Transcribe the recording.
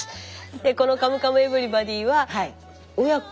で「カムカムエヴリバディ」は親子。